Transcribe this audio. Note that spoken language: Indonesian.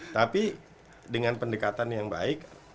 tapi dengan pendekatan yang baik